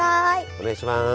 お願いします。